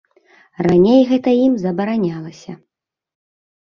Раней гэта ім забаранялася.